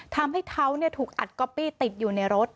ทำให้เขาถูกอัดก๊อปปี้ติดอยู่ในรถ